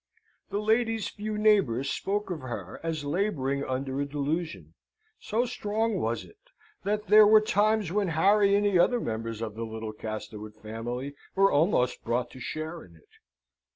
That lady's few neighbours spoke of her as labouring under a delusion. So strong was it, that there were times when Harry and the other members of the little Castlewood family were almost brought to share in it.